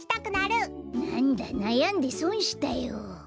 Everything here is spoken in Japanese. なんだなやんでそんしたよ。